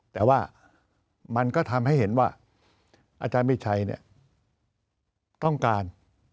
แต่ว่ามันก็ทำให้เห็นว่าอาจารย์มีชัยต้องการ